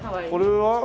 これは？